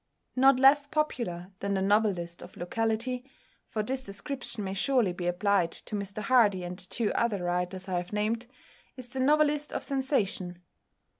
Not less popular than the novelist of locality for this description may surely be applied to Mr Hardy and the two other writers I have named is the novelist of sensation.